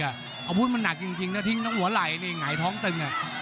อาวุธมันหนักจริงนะทิ้งทั้งหัวไหล่นี่หงายท้องตึง